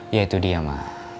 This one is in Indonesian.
ya itu dia ma